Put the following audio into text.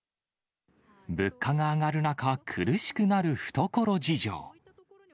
物価が上がる中、苦しくなる懐事情。